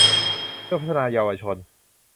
เพื่อพัฒนาเยาวชน